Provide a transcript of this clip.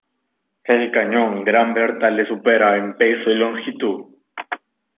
El cañón Gran Berta le supera en peso y longitud.